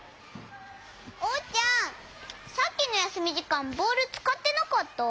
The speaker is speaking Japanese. おうちゃんさっきのやすみじかんボールつかってなかった？